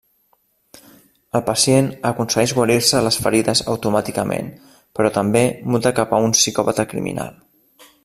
El pacient aconsegueix guarir-se les ferides automàticament, però també muta cap a un psicòpata criminal.